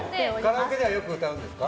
カラオケではよく歌うんですか？